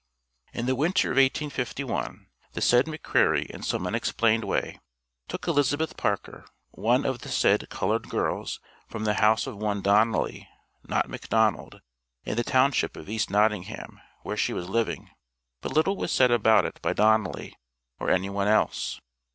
In the winter of 1851, the said McCreary in some unexplained way, took Elizabeth Parker, one of the said colored girls, from the house of one Donally (not McDonald), in the township of East Nottingham, where she was living; but little was said about it by Donally, or any one else.